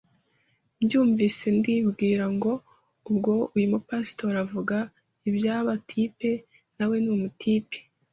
mbyumvise ndibwira ngo ubwo uyu mu Pastori avuga iby’aba-type nawe ni umu type,